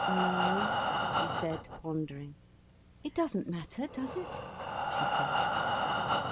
"No—?" he said, pondering. "It doesn't matter, does it?" she said.